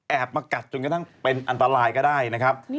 มากัดจนกระทั่งเป็นอันตรายก็ได้นะครับ